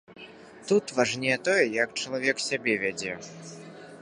Тут важней тое, як чалавек сябе вядзе.